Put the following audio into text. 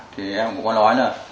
thì em cũng có nói là